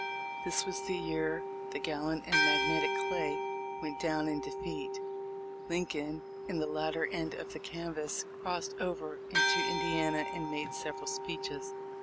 This was the year the gallant and magnetic Clay went down in defeat. Lincoln, in the latter end of the canvass, crossed over into Indiana and made several speeches.